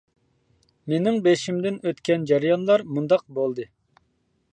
مېنىڭ بېشىمدىن ئۆتكەن جەريانلار مۇنداق بولدى.